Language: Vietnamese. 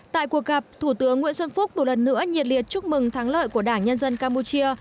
tại cuộc gặp thủ tướng nguyễn xuân phúc một lần nữa nhiệt liệt chúc mừng thắng lợi của đảng nhân dân campuchia